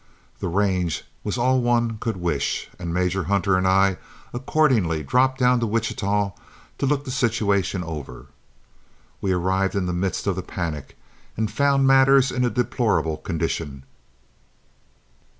The range was all one could wish, and Major Hunter and I accordingly dropped down to Wichita to look the situation over. We arrived in the midst of the panic and found matters in a deplorable condition.